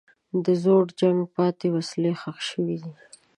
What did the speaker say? د زوړ جنګ پاتې وسلې ښخ شوي دي.